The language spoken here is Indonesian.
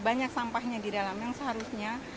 banyak sampahnya di dalam yang seharusnya